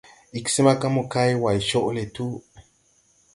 Ig smaga mokay way coʼ le tu.